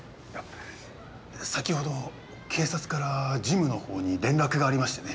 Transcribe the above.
先ほど警察から事務の方に連絡がありましてね。